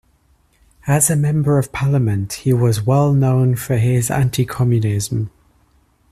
As a member of parliament he was well known for his anti-communism.